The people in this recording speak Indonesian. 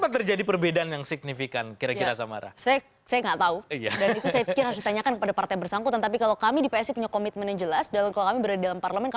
tanya sementara kami bersama